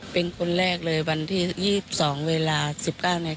เป็นคนแรกเลยวันที่๒๒เวลา๑๙นาที